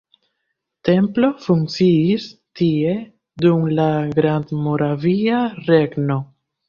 Templo funkciis tie dum la Grandmoravia Regno.